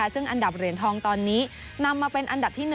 ซึ่งอันดับเหรียญทองตอนนี้นำมาเป็นอันดับที่๑